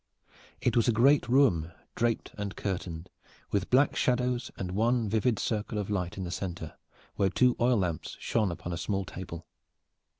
It was a great room, draped and curtained with black shadows, with one vivid circle of light in the center, where two oil lamps shone upon a small table.